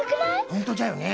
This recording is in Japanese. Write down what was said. ほんとじゃよね。